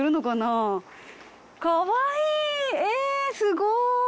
えすごい！